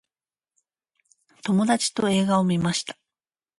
友達と映画を観ました。